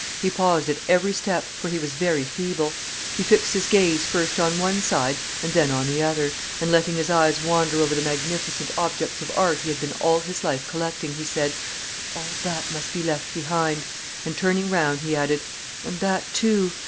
He paused at every step, for he was very feeble; he fixed his gaze first on one side and then on the other, and letting his eyes wander over the magnificent objects of art he had been all his life collecting, he said, 'All that must be left behind!' And, turning round, he added, 'And that too!